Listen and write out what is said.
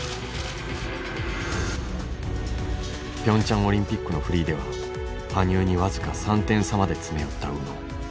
ピョンチャンオリンピックのフリーでは羽生に僅か３点差まで詰め寄った宇野。